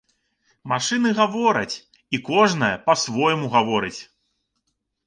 Машыны гавораць, і кожная па-свойму гаворыць.